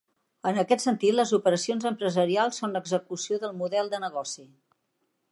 En aquest sentit, les operacions empresarials són l'execució del model de negoci.